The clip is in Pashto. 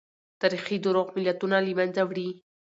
تاريخي دروغ ملتونه له منځه وړي.